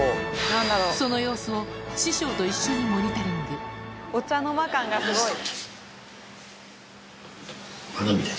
その様子を師匠と一緒にモニタリングお茶の間感がすごい。